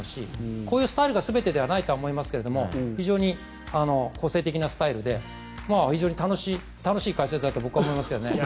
この方法が全てだとは思わないですけど非常に個性的なスタイルで非常に楽しい解説だと僕は思いますけどね。